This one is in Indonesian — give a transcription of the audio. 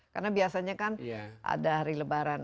karena biasanya kan ada hari lebaran